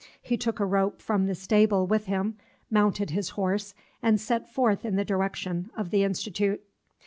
He took a rope from the stable with him, mounted his horse, and set forth in the direction of the Institute.